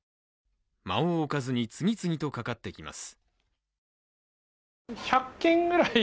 間を置かずに次々とかかってきます。